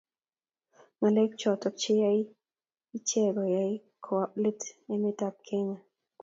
ngalek choto cheyae iche koyae kowaa let emetab kenya